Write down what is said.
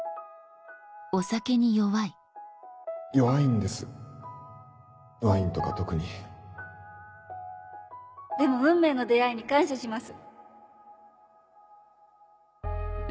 弱いんですワインとか特にでも運命の出会いに感謝します